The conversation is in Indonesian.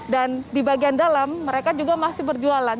dan di bagian dalam mereka juga masih berjualan